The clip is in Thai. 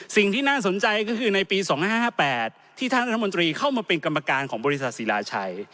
สิ่งที่น่าสนใจก็คือในปี๒๕๕๘ที่ท่านรัฐมนตรีเข้ามาเป็นกรรมการของบริษัทศิลาชัย